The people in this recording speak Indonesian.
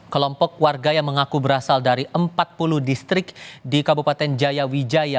kelompok warga yang mengaku berasal dari empat puluh distrik di kabupaten jaya wijaya